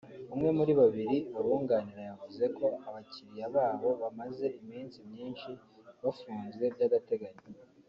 umwe muri babiri babunganira yavuze ko abakiliya babo bamaze iminsi myinshi bafunzwe by’agateganyo